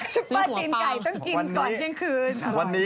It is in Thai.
ปเปอร์ตีนไก่ต้องกินก่อนเที่ยงคืน